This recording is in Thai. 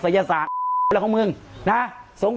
การแก้เคล็ดบางอย่างแค่นั้นเอง